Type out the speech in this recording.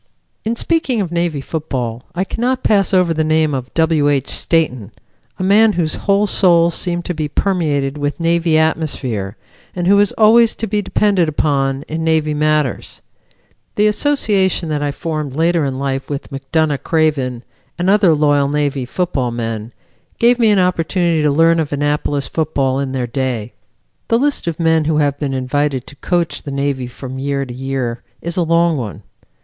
In speaking of Navy football I cannot pass over the name of W. H. Stayton, a man whose whole soul seemed to be permeated with Navy atmosphere, and who is always to be depended upon in Navy matters. The association that I formed later in life with McDonough Craven and other loyal Navy football men gave me an opportunity to learn of Annapolis football in their day. The list of men who have been invited to coach the Navy from year to year is a long one.